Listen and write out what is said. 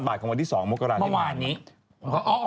อ้อพระธรรมวันนี้อ๋อของเขาใดเทศการเมื่อวาน